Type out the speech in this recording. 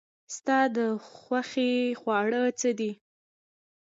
ستا د خوښې خواړه څه دي؟